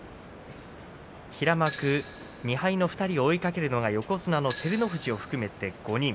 平幕２敗の２人を追いかけるのが横綱の照ノ富士を含めて５人。